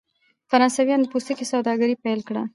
فرانسویانو د پوستکي سوداګري پیل کړه.